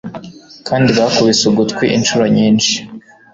kandi bakubise ugutwi inshuro nyinshi